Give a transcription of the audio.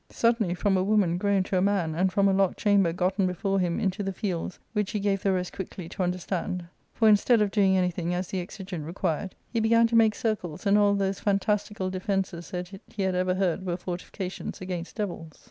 —Book IK suddenly from a woman grown to a man, and from a locked chamber gotten before him into the fields, which he gave the rest quickly to understand ; for, instead of doing anything as the exigent* required, he began to make circles and all those fantastical defences that he had ever heard were forti fications against devils.